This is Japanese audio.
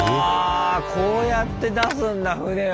こうやって出すんだ船を。